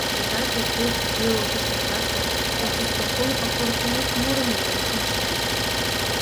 Тыгай кугу кӱрылтыш коклаште кантисполком оппортунист мурым мурен шинчен.